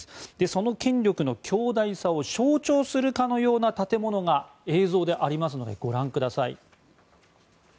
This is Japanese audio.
その権力の強大さを象徴するかのような建物が映像でありますのでご覧ください。